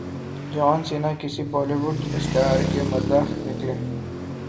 جان Cena کس Bollywood star کے مداح نکلے